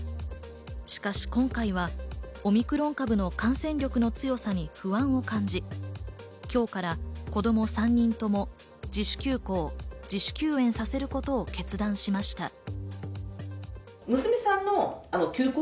しかし今回は、オミクロン株の感染力の強さに不安を感じ、今日から子供３人とも自主休校、自主休園させることを決断しました。